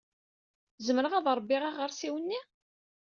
Zemreɣ ad ṛebbiɣ aɣersiw-nni?